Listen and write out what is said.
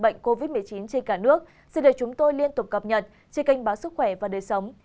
bệnh covid một mươi chín trên cả nước xin được chúng tôi liên tục cập nhật trên kênh báo sức khỏe và đời sống